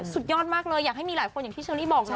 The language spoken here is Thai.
สุดยอดมากเลยอยากให้มีหลายคนอย่างที่เชอรี่บอกเลย